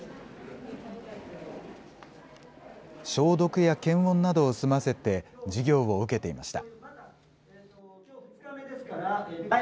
消毒や検温などを済ませて、授業を受けていました。